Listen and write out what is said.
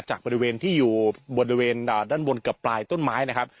จากบริเวณที่อยู่บริเวณด้านบนกับปลายต้นไม้นะครับ